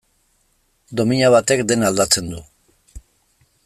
Domina batek dena aldatzen du.